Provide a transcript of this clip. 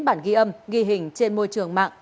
bản ghi âm ghi hình trên môi trường mạng